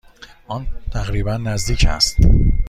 آن تقریبا نزدیک است.